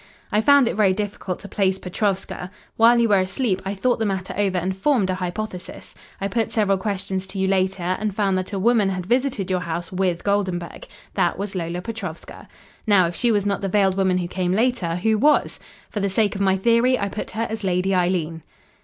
"I found it very difficult to place Petrovska. While you were asleep, I thought the matter over and formed an hypothesis. I put several questions to you later, and found that a woman had visited your house with Goldenburg. That was Lola Petrovska. Now, if she was not the veiled woman who came later, who was? For the sake of my theory, I put her as Lady Eileen.